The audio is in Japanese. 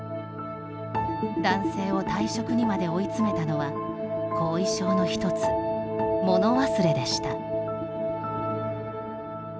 男性を退職にまで追い詰めたのは後遺症の１つ、物忘れでした。